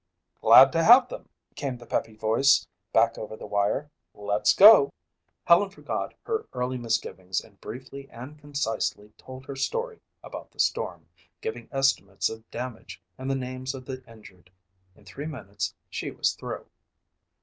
"Glad to have them," came the peppy voice back over the wire. "Let's go." Helen forgot her early misgivings and briefly and concisely told her story about the storm, giving estimates of damage and the names of the injured. In three minutes she was through.